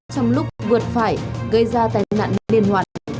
trong lúc vượt phải gây ra tai nạn liên hoàn